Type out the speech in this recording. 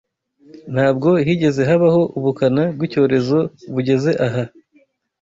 Ntabwo higeze habaho ubukana bw’icyorezo bugeze aha